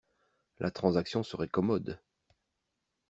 La transaction serait commode.